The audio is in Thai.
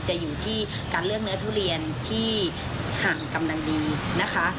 จะอยู่ที่การเลือกเนื้อทุเรียนที่ห่างกำลังดีนะคะ